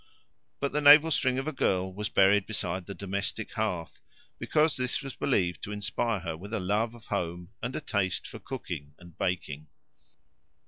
But the navel string of a girl was buried beside the domestic hearth, because this was believed to inspire her with a love of home and taste for cooking and baking.